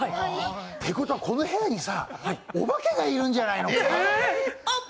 てことはこの部屋にお化けがいるんじゃないの。